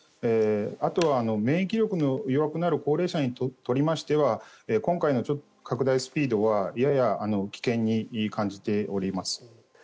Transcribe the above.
あとは免疫力の弱くなる高齢者にとりましては今回の拡大スピードはやや危険に感じております。